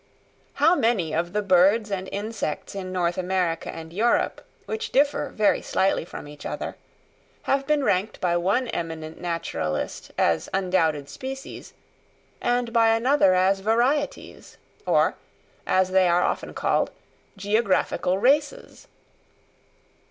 How many of the birds and insects in North America and Europe, which differ very slightly from each other, have been ranked by one eminent naturalist as undoubted species, and by another as varieties, or, as they are often called, geographical races!